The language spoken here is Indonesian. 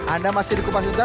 anda masih di kupas tuntas